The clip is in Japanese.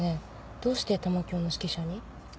どうして玉響の指揮者に？